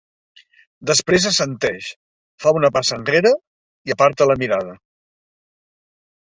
Després assenteix, fa una passa enrere i aparta la mirada.